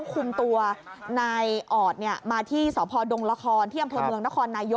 คุมตัวนายอดเนี่ยมาที่สพดงรคอนที่อเมนนย